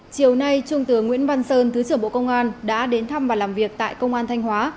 chiều nay trung tướng nguyễn văn sơn thứ trưởng bộ công an đã đến thăm và làm việc tại công an thanh hóa